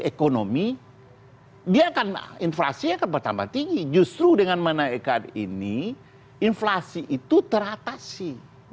ekonomi dia akan inflasi akan bertambah tinggi justru dengan menaikkan ini inflasi itu teratasi